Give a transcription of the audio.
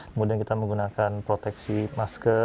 kemudian kita menggunakan proteksi masker